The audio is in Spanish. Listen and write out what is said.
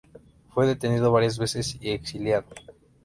Fue detenido varias veces y exiliado.